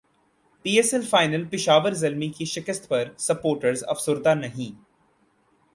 پی S L final Peshawar Zalmi کی شکست پر سپورٹرز افسردہ نہیں